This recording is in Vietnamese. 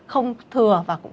không thừa và khủng hoảng